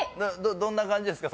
どんな感じですか